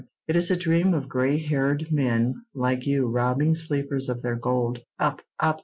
It is a dream of gray haired men like you robbing sleepers of their gold. Up, up!"